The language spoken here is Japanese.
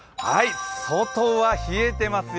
外は冷えてますよ。